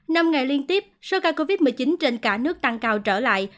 năm ngày liên tiếp số ca covid một mươi chín trên cả nước tăng cao trở lại